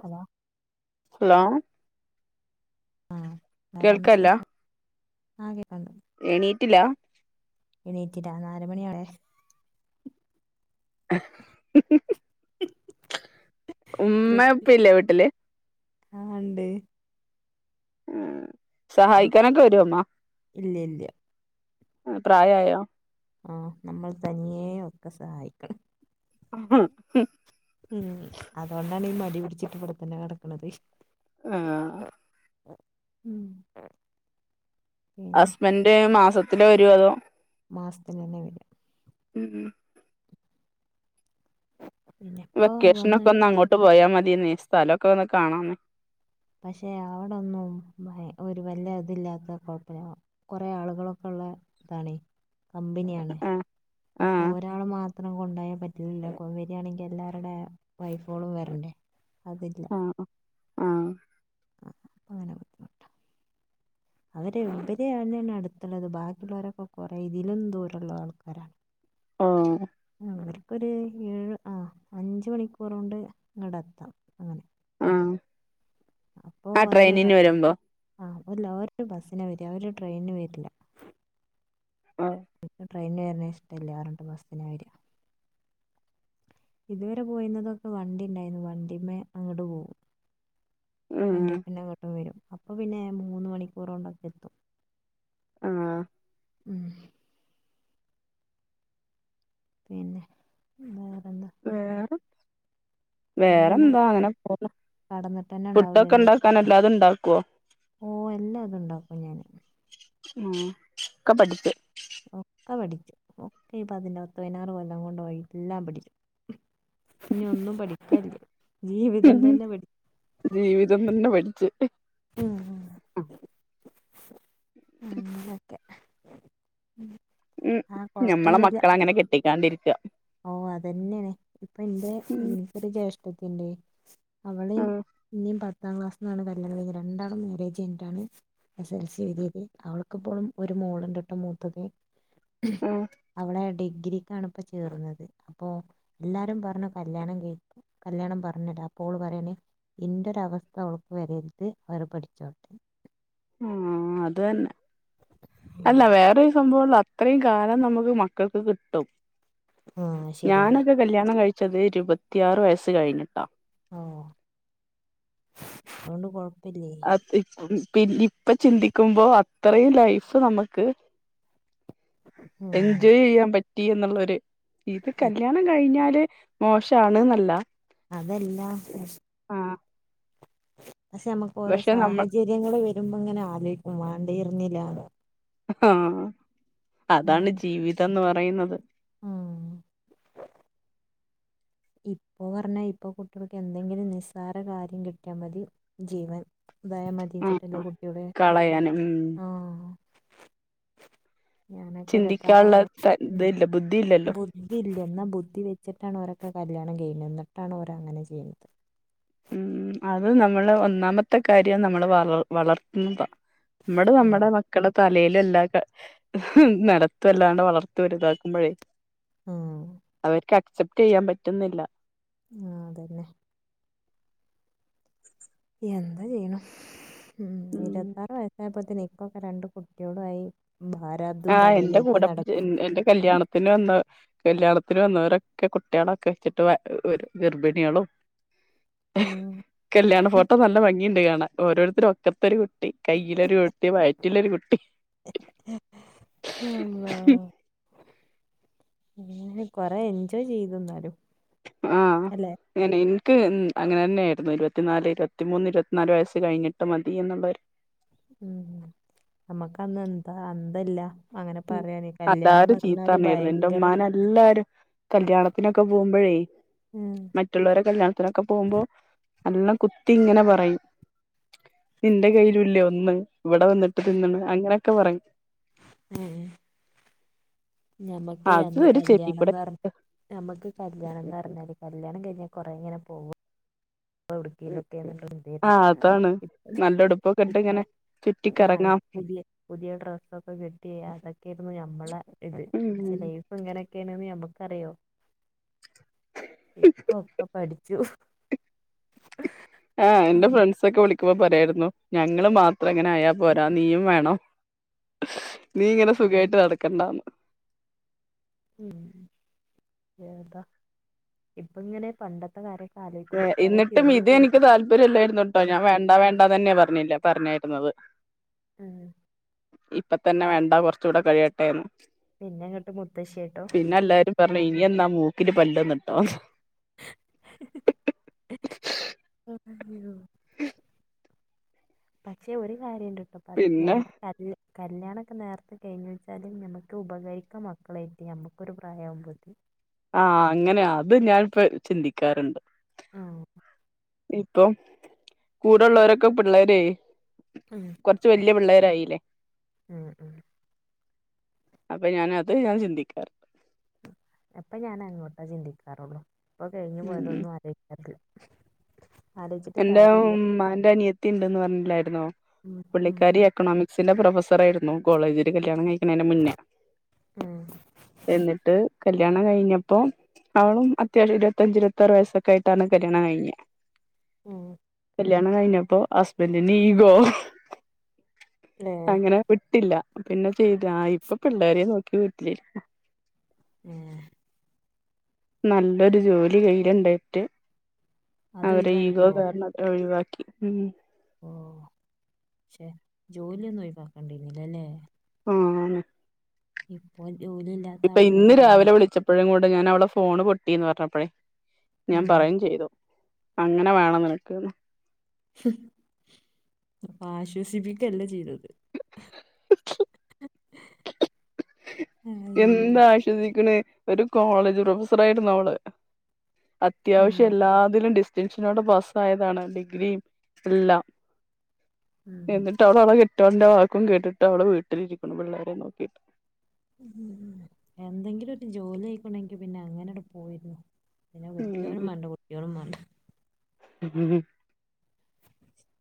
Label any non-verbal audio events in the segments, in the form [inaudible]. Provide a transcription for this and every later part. Hello hello ആഹ് വേറെന്ത്‌ കേൾക്കല്ല വിശേഷം ആഹ് കേൾക്കുണ്ട് എണീറ്റില്ലാ എണീറ്റില്ലാ നാല് മണിയായെ ഉമ്മേ ഉപ്പയും ഇല്ലേ വീട്ടില് ആഹ് ഉണ്ട് ഉം സഹായിക്കാനൊക്കെ വരുവോ ഉമ്മ ഇല്ല ഇല്ല പ്രായായോ ആഹ് നമ്മൾ തനിയേ ഒക്കെ സഹായിക്കണ് [unintelligible] ഉം അതോണ്ടാണ് ഈ മടി പിടിച്ചിട്ട് ഇവിടത്തന്നെ കടക്ക്ണതെ ആഹ് മം ഹസ്ബന്റ് മാസത്തില് വരോ അതോ മാസത്തിലന്നെ വര ഉം മ് പിന്നെ ഇപ്പോ വന്ന് വെക്കേഷനക്കെ ഒന്ന് അങ്ങോട്ട് പോയാ മതിന്ന സ്ഥലമൊക്കെ ഒന്ന് കാണാ പക്ഷെ അവിടൊന്നും ഒരു വല്ല ഇതില്ലാത്ത കുഴപ്പന കൊറെ ആളുകളൊക്കെ ഉള്ളെ ഇതാണ് കമ്പനിയാണ് ആഹ് അപ്പൊ ആഹ് ഒരാള് മാ ത്രം കൊണ്ടയാൽ പറ്റുല്ലല്ലോ കൊ വരികയാണെങ്കി എല്ലാവരുടെ വൈഫുകളും വരണ്ടേ അതില്ല. ആഹ് അങ്ങന അവരെ അവരാണ് ഞാണ് അടുത്തുള്ളത് ബാക്കിയുള്ളവരൊക്കെ കുറേ ഇതിലും ദൂരുള്ള ആൾക്കാരാ. [unintelligible] ആഹ് അവർക്കൊരു ഏഴ് ആഹ് അഞ്ച് മണിക്കൂറണ്ട് വടെ എത്താം അങ്ങനെ ആഹ് അപ്പോ വന്ന് ര വരുമ്പോ ആഹ് ഒരു ബസിന വര ഒരു ട്രെയിനിന് വര്ല്ല ആ എനി ട്രെയിന് വര്നേ ഇഷ്ടല്ലർഞ്ഞ് ബസ്ന വര ഇതുവരെ പോയിന്നതൊക്കെ വണ്ടി ഇണ്ടായിരുന്നു വണ്ടിമ്മേ അങ്ങോട് പോകും ഉം വണ്ടീട്ടന്ന അങ്ങോട്ടും വരും അപ്പൊ പിന്നെ മൂന്ന് മണിക്കൂറ് കൊണ്ടെ [unintelligible] ആഹ് ഉം പിന്നെ പിന്നെ വേറെന്താ? വേറെ നിങ്ങൾ പിന്നെ വേറെന്താ അങ്ങനെ പോണു കടന്നിട്ട് തന്നെ ഫുട്ടൊക്കെ ഉണ്ടാവില്ലല്ലേ ഇണ്ടാ ക്കാനെല്ലാതുണ്ടാക്കോ ഓ എല്ലാ ത്ണ്ടാക്കും ഞാന്. [unintelligible] ഒക്കെ പഠിച്ചു ഒക്കെ ഇപ്പ പതി ഒത്ത് പതിനാറ് കൊല്ലം കൊണ്ട് പോയി എല്ലാം പഠിച്ചു. ഇനി ഒന്നും പഠിക്കാൻല്ല ജീവിതം തന്നെ പ ജീവിതം തന്നെ പഠച്ച്. അങ്ങനെക്കെ ഉം ഞമ്മളെ മക്കളെ അങ്ങനെ കെട്ടിക്കാണ്ടിരിക്ക. ഓഹ് അതന്നെണ് ഇപ്പന്റെ ഉം നിക്കൊരു ജ്യേഷ്ഠത്തിണ്ട്. അവളെയും ഉം ഇനി പത്താം ക്ലാസ്സിന്നാണ് കല്യാണം രണ്ടാള് മാരേജ് കയ്ഞ്ഞിട്ടാണ് എസ് എൽ സി തിയത് അവൾക്കിപ്പോ ഒരു മോളിണ്ട്ട്ടോ മൂത്തത്. ഉം അവളെ ഡിഗ്രിക്കാണ് പ ചേർന്നത് അപ്പോ എല്ലാരും പറഞ്ഞ് കല്യാണം കയ് ല്യാണം പറഞ്ഞിട പ്പോള് പറയണേ ഇന്റെ ഒരവസ്ഥ അവൾക്ക് വരരുത് അവർ പഠിച്ചോ ആഹ് അതന്നെ അല്ല വേറെ സംഭവ അത്രയും കാലം നമുക്ക് മക്കൾക്ക് കിട്ടും ആഹ് ഞാന ശരിയാണ് കല്യാണം കഴിച്ചത് ഇരുപത്തിയാറ് വയസ്സ് കഴിഞ്ഞിട്ടാ. ഓഹ് അതുകൊണ്ട് കൊഴ അത് [unintelligible] പിന്ന ഇപ്പൊ ചിന്തിക്കുമ്പോ അത്രയും ലൈഫ് നമ്മക്ക് ഉം എൻജോയ് ചെയ്യാൻ പറ്റി എന്നുള്ള ഒരു ഇത് കല്യ ണം കഴിഞ്ഞാല് മോശാണ്ന്നല്ല. അതെല്ലാ ആഹ പക്ഷെ നമ്മുക്ക് ഓരോ പക്ഷെ നമ്മൾ സാഹചര്യങ്ങള് വരുമ്പോ ഇങ്ങനെ ആലോചിക്കും വേണ്ടിയിരുന്നില്ല. ആഹ അതാണ് ജീവിതംന്ന് പറയുന്നത്. മ് ഇപ്പൊ പറഞ്ഞാ ഇപ്പ കുട്ടികൾക്ക് എന്തെങ്കിലും നിസ്സാര കാര്യം കിട്ടിയാൽ മതി ജീവൻ തായ മതിച്ചിട്ടല്ലേ ആഹ് കുട്ടിയുടെ കളയാനും ഉം ആഹ ഞാനൊക്കെ ഇരുപത്തിയർ ചിന്തിക്കാനുള്ള വയ്യ ഇതില്ല ബുദ്ധിയില്ലല്ലോ [inaudible] ബുദ്ധിഇല്ല എന്നാ ബുദ്ധി വെച്ചിട്ടാണഓരൊക്കെ കല്യാണം ചെയ്യുന്നത് എന്നിട്ടാണഓര അങ്ങനെ ചെയ്യണത് അത് നമ്മള് ഒന്നാമത്തെ കാര്യം നമ്മൾ വള വളർത്തുന്നത നമ്മട് നമ്മുടെ ആഹ് മക്ക മക്കള തലയിലലാണ്ട് നലത്തുംല്ലാണ്ട് വളർത്ത വലുതാക്കുപ്പോൾ ആഹ് അവർക്ക് അക്സെപ്റ്റ് ചെയ്യാൻ പറ്റുന്നില്ല ആഹ അതന്നെ എന്താ ചെയ്യണ് മ് ഉം നിരന്തരം വഴക്കായപ്പോത്തന് ഇപ്പൊക്കെ രണ്ട് കുട്ടിള്ളും ആയി ഭാരാബദം ആഹ് എന്റെ തലയിലേറ്റി കൂടെ നടക്കുണു കല്യാണത്തിന് വന്നതാ കല്യാണത്തിൽ വന്നവരൊക്കെ കുട്ടികളൊക്കെ വെച്ചിട്ട് ഗർഭിണികളും ഉം കല്യാണം ഫോട്ടോ നല്ല ഭംഗിയുണ്ട് കാണാം ഓരോരുത്തരും ഒക്കത്തരു കുട്ടി കയ്യിലൊരു കുട്ടി വയറ്റില്ലൊ രു കുട്ടി ആഹ അള്ളാ മ്മ് കൊറെ എൻജോയ് ചെയ്ത് ന്നാ ലും ആഹ അങ്ങനെ എനിക്ക് അങ്ങനെ തന്നെയായിരുന്നു ഇരുപത്തിനാല് ഇരുപത്തിമൂന്ന് ഇരുപത്തിനാല് വയസ്സ് കഴിഞ്ഞിട്ട് മതി എന്നുള്ളര് ഉം നമുക്ക് അന്ന് എന്താ അന്ധം ഇല്ല അങ്ങനെ ഉം പറയാന് കല്യാണം അതാരും ന്ന് പറഞ്ഞാല് ചീത്തറഞ്ഞായിരുന്നു എന്റെ ഭയങ്കര ഉമ്മാനെ എല്ലാരും കല്യാണത്തിനൊക്കെ പോകുമ്പോഴേ ഉം മറ്റുള്ളവര കല്യാണത്തിനൊക്കെ പോകുമ്പോൾ എന്നെ കുത്തി ഇങ്ങനെ പറയും ഇന്റെ കയ്യില ഇല്ലേ ഒന്ന് ഇവിടെ വന്നിട്ട് തിന്നണ് അങ്ങനെയൊക്കെ പറയും മ് ഞമ്മക്ക അത് അന്ന് ഒരു ചെവി കൂടെ കല്യാണംന്ന് പറഞ്ഞ ഞമുക്ക് കല്യാണം എന്ന് പറഞ്ഞാല് കല്യാണം കഴിഞ്ഞാൽ കൊറെേ ഇങ്ങനെ പോകും എവിടേക്കെങ്കിലോക ആഹ അതാണ് നല്ലടുപ്പൊക്കെ ഇട്ട് ഇങ്ങനെ ഇപ്പളെ ചുറ്റിക്കറങ്ങാം [inaudible] പുതിയ ഡ്രസ്സൊക്കെ കിട്ടി അതൊക്കെയിരുന്നു നമ്മള ഇത് ഉം ലൈഫ് ഇങ്ങനെയൊക്കെയണന്ന് നമ്മുക്കറിയോ ഇപ്പ ഒക്കെ പഠിച്ചു അഹ് ആഹ എന്റെ ഫ്രണ്ട്സ ഒക്കെ വിളിക്കുമ്പോ പറായിരുന്നു ഞങ്ങൾ മാത്രം ഇങ്ങനെ ആയാൽ പോരാ നീയും വേണം നീ ഇങ്ങനെ സുഖയിട്ട് നടക്കണ്ടാന്ന് മ്മ് വേറെന്താ ഇപ്പ ഇങ്ങനെ പണ്ടത്തെ കാര്യങ്ങ ആലോയി ക്കുമ്പോ കുറെ എന്നിട്ടും ചിറിയും ഇത് വരും എനിക്ക് താല്പര്യം ഇല്ലായിരുന്നു ട്ടോ ഞാൻ വേണ്ടാ വേണ്ടാന്നെ പറഞ്ഞിന് പറഞ്ഞായിരു ന്നത് ഉം ഇപ്പ തന്നെ വേണ്ട കൊറച്ചുകൂടെ കഴിയട്ടെന്ന് പിന്നെങ്ങട്ട് മുത്തശ്ശി ആയി ട്ടോ പിന്നെ എല്ലാരും പറഞ്ഞു ഇനി എന്നാ മൂക്കില് പല്ല് ന്നിട്ടോ അയ്യോ ഉം പക്ഷെ ഒരു കാര്യംണ്ടിട്ടോ പഞ പിന്നെ കല്ല് കല്യാണൊക്കെ നേരത്തെ കഴിഞ്ഞ വെച്ചാൽ നമുക്ക് ഉപകരിക്കാ മക്കളേ ആയിട്ട് നമുക്കൊരു പ്രായവും ബോ ആഹ് അങ്ങനെയഅത് ഞാൻപ്പോ ചിന്തിക്കാറുണ്ട് ആ ഇപ്പൊ കൂടെള്ളവരൊക്കെ പിള്ളേര് ഉ കൊറച്ച് വല്യ പിള്ളേരായില്ലേ ഉം ഉം അപ്പൊ ഞാന് അതാണ് ഞാൻ ചിന്തിക്കാറ്. അപ്പൊ ഞാൻ അങ്ങോട്ടേ ചിന്തിക്കാറൊള്ളു അപ്പൊ കഴിഞ്ഞ് ഉം പോയതൊന്നും ആലോയ്ക്കത്ത്. എന്റെ ഉമ്മന്റെ അനിയത്തി ണ്ട് പറഞ്ഞിലിയിയിരുന്നോ ഉം ഉം പുള്ളിക്കാരി എക്കണോമിക്സിന്റെ പ്രൊഫസർ ആയിരുന്നു കോളേജ് ഒരു കല്യാണം കഴി ക്ക്ണ ന്റെ മുന്നേ ഉം എന്നിട്ട് കല്യാണം കഴിഞ്ഞപ്പോ അവളും അത്യാവശം ഇരുപത്തഞ്ച് ഇരുപത്തി ആറ് വയസ്സ ആയിട്ടാണ് കല്യാണം കഴിഞ്ഞെ. ഉം കല്യാണം കഴിഞ്ഞപ്പോ ഹസ്ബൻഡിന് ഇഗോ ഏ അങ്ങനെ വിട്ടില്ല പിന്നെ ചെയ്ത ആഹ് ഇപ്പൊ പിള്ളോരെയെ നോക്കി വീട്ടിലിരിക്ക എയ് നല്ലൊരു ജോലി കയ്യിയിലുണ്ടായിട്ട്. അവരെ ഈഗോ അതൊഴിവായിപ്പോ കാരണം അത് ഒഴിവാക്കി ഓ ഷേ ജോലിയൊന്നും ഒഴിവാക്കാണ്ടിരുന്നില്ല ല്ലേ ഉം ഇപ്പോൾ ജോലില്ല ഇപ്പൊ ഇന്ന് രാവിലെ വിളിച്ച ഇപ്പഴും കൂടെ ഞാൻ അവള ഫോണ് പൊട്ടിന്ന് പറഞ്ഞപ്പഴേ ഞാൻ ഉം പറയും ചെയ്തു. അങ്ങനെ വേണം നിനക്ക് ഉം അപ്പൊ ആശ്വസിപ്പിക്കയല്ല ചെയ്തത്. അയ്യോ എന്ത് ആശ്വസിപ്പിക്കണ് ഒരു കോളേജ് പ്രൊഫസർ ആയിരുന്നു അവള് ഉം അത്യാവശ്യം എല്ലാതിലും ഡിസ്റ്റിങ്ഷനോട് പാസ്സയതാണ് ഡിഗ്രിയും എല്ലാം ഉം എന്നിട്ട് അവള അവളെ കെട്ടെന്റെവാന്റെ വാക്കും കേട്ടിട്ട് അവള് വീട്ടിലിരിക്കുന്നു പിള്ളോരെ നോക്കി ഉം എന്തെങ്കിലും ഒരു ജോലി ആയിക്ക്ണെങ്കി പിന്നെ അങ്ങനെങ്ങട്ട് പോയിരുന്നു. പിന്നെ കെട്ടിയോനും ഉം മാണ്ട കുട്ടിയോളും മാണ്ട. ഉം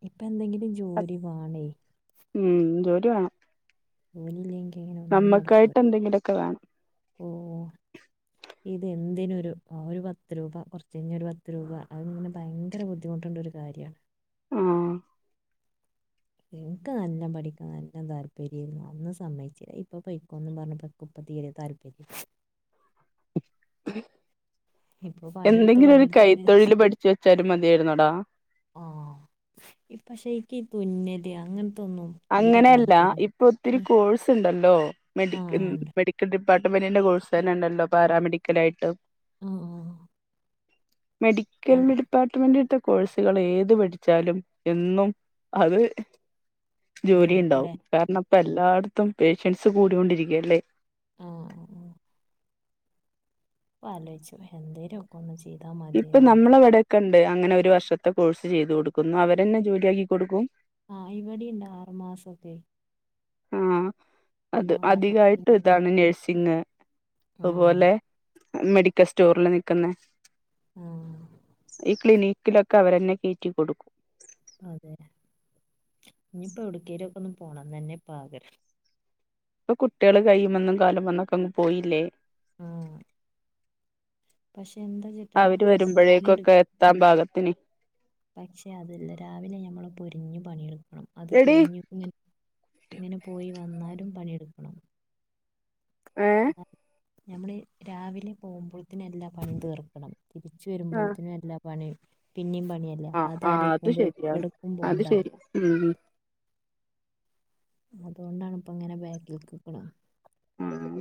ഇപ്പൊ എന്തെങ്കിലും ജോലി വാണേയ് ഉം ജോലി വാണം ജോലില്ലെങ്കിൽ അങ്ങനെ ഒന്നും നടക്കൂല എന്തെങ്കിലൊക്കെ വേണം. ഓ. ഇത് എന്തിനു ഒരു ഒരു പത്ത് രൂപ കുറച്ച് കഴിഞ്ഞാ ഒരു പത്ത് രൂപ അത്ങ്ങനെ ഭയങ്കര ബുദ്ധിമുണ്ട് ഉള്ള ഒരു കാര്യണ്. ഉം എനിക്ക് നല്ല പഠിക്കാൻ നല്ല താല്പര്യം രെനി അന്ന് സമ്മച്ചില്ലേ ഇപ്പൊ പോക്കോന്ന് പറഞ്ഞപ്പ ഇപ്പം തീരെ താല്പര്യ ഇപ്പൊ പണിയെടുത്ത് എന്തെങ്കിലും ഒരു പണിയെടുത്തിട്ട് കൈത്തൊഴിൽ പഠിച്ച് വെച്ചാലും മതിയായിരുന്നെടാ. ആഹ് ഇപ്പ ക്ഷെ എനിക്ക് ഈ തുനല് അങ്ങനത്തൊന്നും അങ്ങനെയല്ല ഇപ്പൊ ഒത്തിരി കോഴ്സ് ഉണ്ടല്ലോ ആ മെഡിക്ക് ഉണ്ട് മെഡി ഡിപ്പാർട്ട്മെന്റിന്റെ കോഴ്സ് തന്നെണ്ടല്ലോ പാരമെഡിക്കൽ ആയിട്ട്. ആഹ് ആഹ് ആഹ് മെഡിക്കല് ഡിപ [unintelligible] കോഴ്സുകള് ഏത് പഠിച്ചാലും എന്നും അത് ജോലി ഉപയോഗിക്കല്ലേ ഉണ്ടാവും കാരണം ഇപ്പോ എല്ലായിടത്തും പേഷ്യൻസ് കൂടൊണ്ടിരിക്കയല്ലേ ആഹ് ആഹ് ആഹ് ആലോച്ചു എന്തേരു ഒന്ന് ചെയ്താ മ ഇപ്പൊ നമ്മളെവിടെയൊക്കെ ഇണ്ട് അങ്ങനെ ഒരു വർഷത്തെ കോഴ്സ് ചെയ്തു കൊടുക്കുന്നു അവരെന്നെ ജോലിയ ആക്കി കൊടുക്കും. ആഹ് ഇവടിം ഇണ്ട് ആറുമാസൊക്കെ ആഹ് അത് ആ ആറ് അധികായിട്ട് മാസത്തിനൊക്കെ ഇതാണ് നഴ്സിങ് ആ അതുപോലെ മെഡിക്കെ സ്റ്റോറില് നിക്ക്ന്നേ ആഹ് ഈ ക്ലിനിക്കിലൊക്കെ അവരെന്നെ കേറ്റി കൊടുക്കും. അതെ ഇനിയിപ്പോ എവുടെക്കെലൊക്കെ ഒന്ന് പോണം തെന്നെ ഇപ്പോ ആഗ്രഹം. ഇപ്പൊ കുട്ട്യാളെ കയ്യ്മന്നും കാലുംമ്മന്നൊക്കെ അങ് പോയിലേ ആഹ് പക്ഷെ എന്താചാല് അവര് വരുമ്പോഴേക്കൊക്കെ എതാം ബാഗത്തിന് പക്ഷെ അതല്ല രാവിലെ ഞമ്മള് പൊരിഞ്ഞു പണിയെടുക്കണം അത് എടി കെഴഞ്ഞു ഇങ്ങ ഇങ്ങനെ പോയി വന്നാലും പണിയെടുക്കണം. ഹെ ഞമ്മള് രാവിലെ പോകുമ്പോൾത്തിന് എല്ലാം പണി തീർക്കണം. തിരിച്ച് ആ വരുമ്പോത്തിനു എല്ലാം പണി പിന്നിം പണിയ ല്ലെ ആ അപ്പത് ആ അത് അലോയിക്കുമ്പോ ശരിയാണ് എവ്ട്ക്കും അത് പോണ്ടാന്ന്. ശരി ഉം അതോണ്ടാണ് ഇപ്പ ഇങ്ങനെ ബാക്ക്ക് ന്നിക്ക്ണ്. ഉം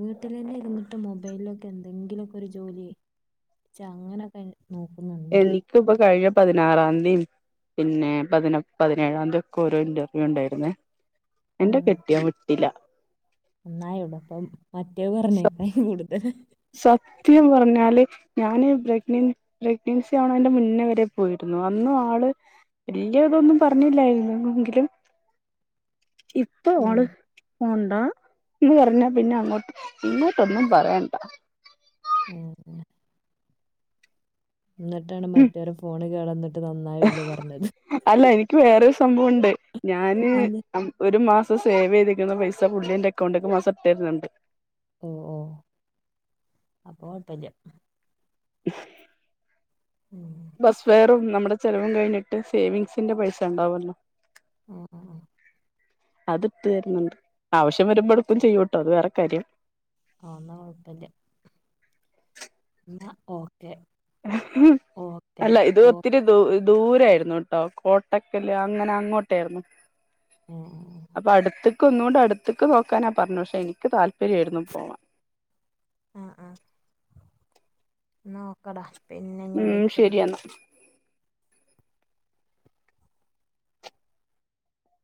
വീട്ടിലെന്നെ ഇരുന്നിട്ട് മൊബൈലിലൊക്കെ എന്തെങ്കിലൊക്കെ ഒരു ജോലി ച്ചാ അങ്ങനെക്കെ നോക്കുന്ന്ണ്ട്. ത് ഇപ്പൊ കഴിയ പതിനാറാംന്തി പിന്നെ പതിന പതിനേഴാംന്തി ഒക്കെ ഓരോ ഇന്റർവ്യൂ ഉണ്ടായിര്ന്നെ. ഇന്റെ കെട്ടിയോൻ വിട്ടില്ല. ഒന്നായുടുംപ്പം മറ്റേ പറഞ്ഞേക്കാ കൂട്തല്. സത്യം പറഞ്ഞാല് ഞാന് പ്രഗ്നൻ പ്രഗ്നൻസി ആവ്ണെന്റെ മുന്നെ വെരെ പോയിരുന്നു അന്ന് ആള് വല്ല്യാ ഇതൊന്നും പറഞ്ഞില്ലായിരുന്നു എങ്കിലും ഇപ്പോ ഉം ആള് പോണ്ടാന്ന് പറഞ്ഞാ പിന്നെ അങ്ങോട്ട് ഇങ്ങോട്ടൊന്നും പറയണ്ട ഉം ഉം ഇന്നട്ടാണ് മറ്റോരെ ഫോണ് കേടന്നിട്ട് നന്നായൊള്ളു പറഞ്ഞത് അല്ല എനിക്ക് വേറൊരു സംഭവുണ്ട് ഞാന് എന്ത് അം ഒരു മാസം സേവെയ്തിരിക്കുന്ന പൈസ പുള്ളിന്റെ എക്കൗണ്ട്ക്ക് മാസം ഇട്ടെരുന്നുണ്ട്. ഓഹ് ഓഹ് അപ്പൊ കൊയപ്പല്ല. [inaudible] ഉം ബസ് ഫെയറും ന്നമ്മടെ ചെലവും കഴിഞ്ഞിട്ട് സേവിങ്സിന്റെ പൈസ ഉണ്ടാവുല്ലോ? ആഹ് ആഹ് അത്ട്ട് തെരുന്നുണ്ട് ആവിശ്യം വെരുമ്പോ ഇട്ക്കും ചെയ്യൂട്ടോ അത് വേറെ കാര്യം. അഹ് ഒന്നും കൊയപ്പല്ല. ഇന്ന ഓക്കെ. ഓക്കെ അല്ല ഇത് ഓ ഇത്തിരി ദൂ ദൂരെയിരുന്നുട്ടോ കോട്ടക്കല് അങ്ങനെ അങ്ങോട്ടേര്ന്നു. ഏഹ് ഏഹ് അപ്പൊ അട്ത്ക്ക് ഒന്നുകൊണ്ട് അട്ത്ക്ക് നോക്കാനാ പർഞ്ഞ പക്ഷെ ഇൻക്ക് താല്പര്യംആരുന്നു പോവാൻ. ആഹ് ആഹ് ന്നഓക്കടാ പിന്നെഞ്ഞി ഉം വിളിക്കണ്ട് ശരിയെന്നാ